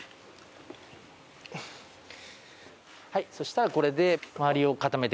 はいそしたらこれで周りを固めてください。